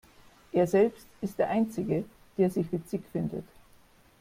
Er selbst ist der Einzige, der sich witzig findet.